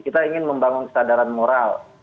kita ingin membangun kesadaran moral